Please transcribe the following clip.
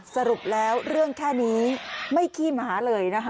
สรุปแล้วเรื่องแค่นี้ไม่ขี้หมาเลยนะคะ